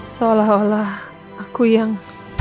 seolah olah aku yang